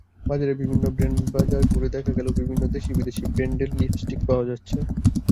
বাজারে বিভিন্ন ব্র্যান্ডবাজার ঘুরে দেখা গেল বিভিন্ন দেশি-বিদেশি বিভিন্ন ব্র্যান্ডের লিপস্টিক পাওয়া যাচ্ছে।